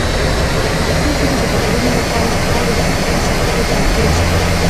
د پښتو ژبې د بډاینې لپاره پکار ده چې فردي سلیقې کنټرول شي.